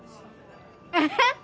えっ？